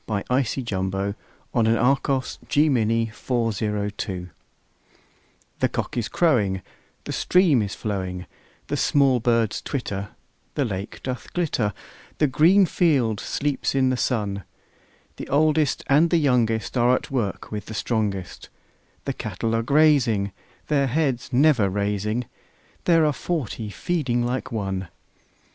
William Wordsworth Written in March THE cock is crowing, The stream is flowing, The small birds twitter, The lake doth glitter The green field sleeps in the sun; The oldest and youngest Are at work with the strongest; The cattle are grazing, Their heads never raising; There are forty feeding like one!